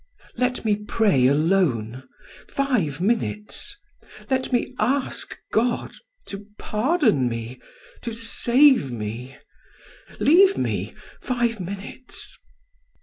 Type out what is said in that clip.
Let me pray alone five minutes let me ask God to pardon me to save me leave me five minutes."